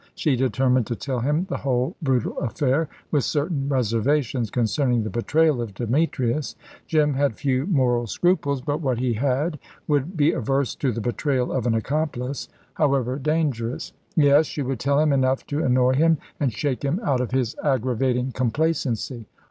She determined to tell him the whole brutal affair, with certain reservations concerning the betrayal of Demetrius. Jim had few moral scruples, but what he had would be averse to the betrayal of an accomplice, however dangerous. Yes; she would tell him enough to annoy him, and shake him out of his aggravating complacency.